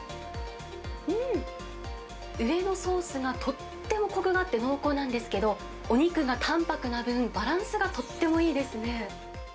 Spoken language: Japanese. うーん、上のソースがとってもこくがあって濃厚なんですけど、お肉がたんぱくな分、バランスがとってもいいですね。